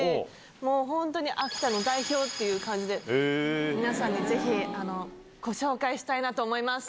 もう本当に秋田の代表っていう感じで、皆さんにぜひ、ご紹介したいなと思います。